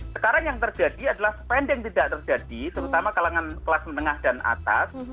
sekarang yang terjadi adalah spending tidak terjadi terutama kalangan kelas menengah dan atas